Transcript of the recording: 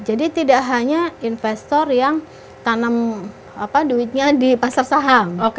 jadi tidak hanya investor yang tanam duitnya di pasar saham